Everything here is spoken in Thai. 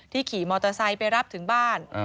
ขี่มอเตอร์ไซค์ไปรับถึงบ้าน